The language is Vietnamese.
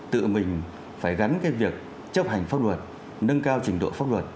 tự mình phải gắn cái việc chấp hành pháp luật nâng cao trình độ pháp luật